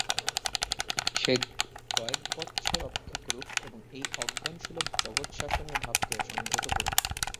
সে কয়েক বৎসর অপেক্ষা করুক, এবং এই অজ্ঞানসুলভ জগৎশাসনের ভাবকে সংযত করুক।